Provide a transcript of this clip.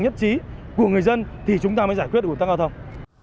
nhất trí của người dân thì chúng ta mới giải quyết được ủn tắc giao thông